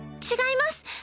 違います！